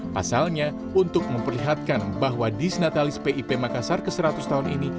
pasalnya untuk memperlihatkan bahwa di senatalis pip makassar ke seratus tahun ini